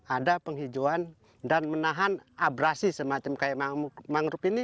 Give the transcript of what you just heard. ada penghijauan dan menahan abrasi semacam kayak mangrove ini